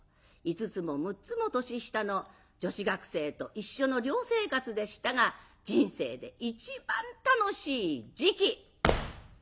５つも６つも年下の女子学生と一緒の寮生活でしたが人生で一番楽しい時期。